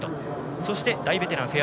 そして大ベテランフェア